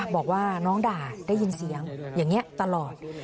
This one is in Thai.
บอกว่าน้องด่าได้ยินเสียงอย่างนี้ตลอด